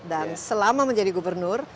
dan selama menjadi gubernur